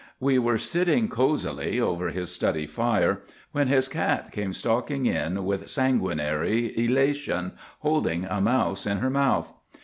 "We were sitting coseyly over his study fire, when his cat came stalking in with sanguinary elation, holding a mouse in her mouth.